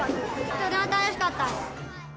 とても楽しかった。